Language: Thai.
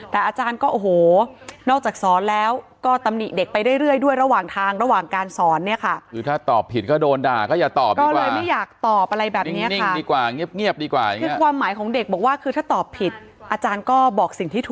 แต่อาจารย์ก็อโห